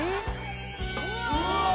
うわ！